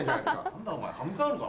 何だお前歯向かうのか？